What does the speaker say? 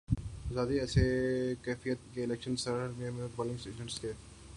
آزادی کی ایسی کیفیت کہ الیکشن سٹاف بھی ان کے پولنگ ایجنٹس کے